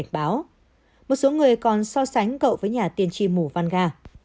báo một số người còn so sánh cậu với nhà tiên tri mù vanga